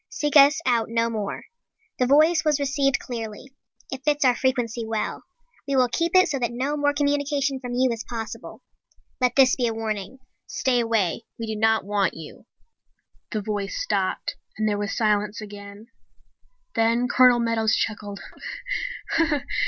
Seek us out no more. The voice was received clearly. It fits our frequency well. We will keep it so that no more communication from you is possible. Let this be a warning. Stay away! We do not want you!_" The voice stopped and there was silence again. Then Colonel Meadows chuckled.